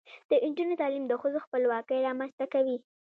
د نجونو تعلیم د ښځو خپلواکۍ رامنځته کوي.